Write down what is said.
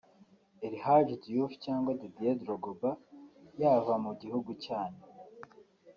El-Hadji Diouf cyangwa Didier Drogba yava mu gihugu cyanyu